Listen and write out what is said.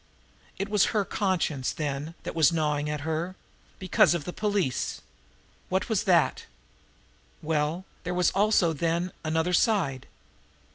It was her conscience, then, that was gnawing at her because of the police! Was that it? Well, there was also, then, another side.